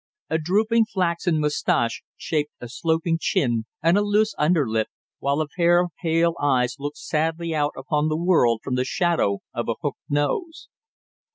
A drooping flaxen mustache shaded a sloping chin and a loose under lip, while a pair of pale eyes looked sadly out upon the world from the shadow of a hooked nose.